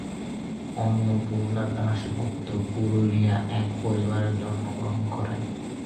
অন্নপূর্ণা দাশগুপ্ত পুরুলিয়া এক পরিবারে জন্মগ্রহণ করেন।